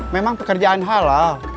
memang pekerjaan halal